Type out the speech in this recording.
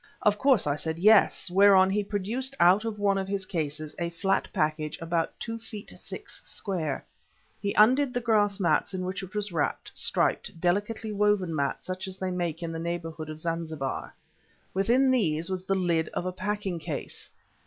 Of course I said yes, whereon he produced out of one of his cases a flat package about two feet six square. He undid the grass mats in which it was wrapped, striped, delicately woven mats such as they make in the neighbourhood of Zanzibar. Within these was the lid of a packing case.